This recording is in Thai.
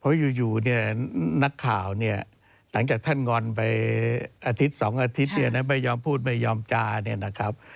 เพราะอยู่นักข่าวหลังจากท่านงอนไปอาทิตย์๒อาทิตย์ไม่ยอมพูดไม่ยอมจ้านะครับ